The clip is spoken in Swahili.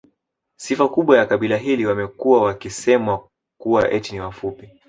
Sifa kubwa ya kabila hili wamekuwa wakisemwa kuwa eti ni wafupi